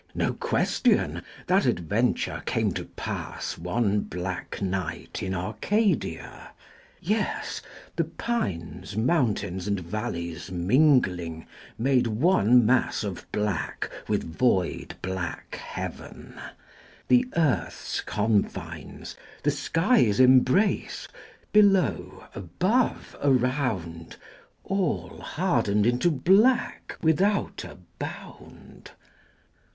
No question, that adventure came to pass One black night in Arcadia: yes, the pines, Mountains and valleys mingling made one mass Of black with void black heaven: the earth's confines, The sky's embrace, below, above, around, All hardened into black without a bound.